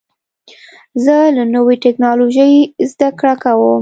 زه له نوې ټکنالوژۍ زده کړه کوم.